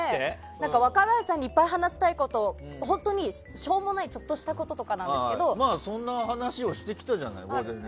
若林さんにいっぱい話したいこと本当にしょうもないちょっとしたこととかそんな話をしてきたじゃない。